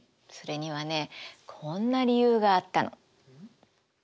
それにはねこんな理由があったの。